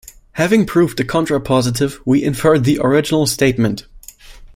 Having proved the contrapositive, we infer the original statement.